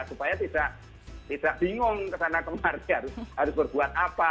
supaya tidak bingung kesana kemari harus berbuat apa